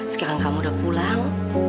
sekirang kamu udah pulang